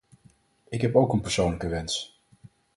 Ik heb ook een persoonlijke wens.